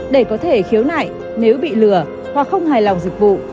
để có thể khiếu nại nếu bị lừa hoặc không hài lòng dịch vụ